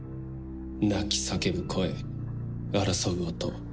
泣き叫ぶ声、争う音。